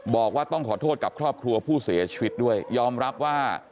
บอกว่าต้องขอโทษกับครอบครัวผู้เสียชีวิตด้วยยอมรับว่า